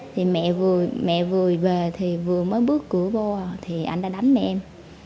thì mẹ vừa về thì vừa mới bước cửa vô thì anh đã đánh mẹ em